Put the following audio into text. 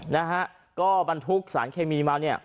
นะฮะก็บรรทุกสารเคมีมาเนี่ย